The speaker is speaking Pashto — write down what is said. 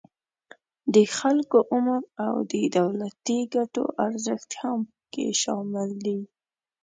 د خلکو عمر او د دولتی ګټو ارزښت هم پکې شامل دي